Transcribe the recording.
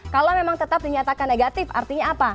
kalau memang tetap dinyatakan negatif artinya apa